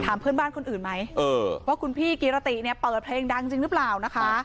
เพื่อนบ้านคนอื่นไหมว่าคุณพี่กิรติเนี่ยเปิดเพลงดังจริงหรือเปล่านะคะ